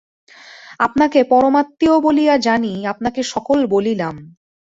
আপনাকে পরমাত্মীয় বলিয়া জানি, আপনাকে সকল বলিলাম।